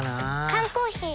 缶コーヒー